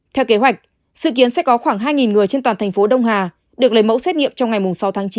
theo kế hoạch sự kiến sẽ có khoảng hai người trên toàn thành phố đông hà được lấy mẫu xét nghiệm trong ngày sáu tháng chín